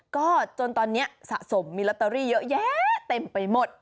ก็จนตอนนี้สะสมมีลอตเตอรี่เยอะแยะเต็มไปหมด